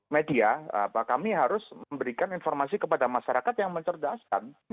media kami harus memberikan informasi kepada masyarakat yang mencerdaskan